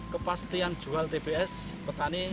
kepastian jual tbs petani